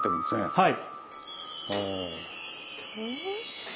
はい。